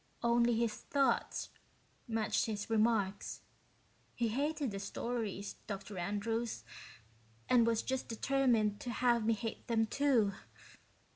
Only his thoughts matched his remarks. He hated the stories, Dr. Andrews, and was just determined to have me hate them, too.